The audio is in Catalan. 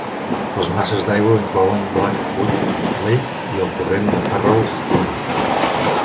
Les masses d'aigua inclouen Blackwood Lake i el torrent de Farrows Run.